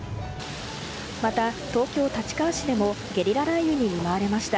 また、東京・立川市でもゲリラ雷雨に見舞われました。